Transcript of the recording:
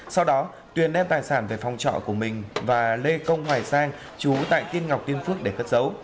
sau đó tuyền đem tài sản về phòng trọ của mình và lê công ngoài sang chú tại tiên ngọc tiên phước để cất dấu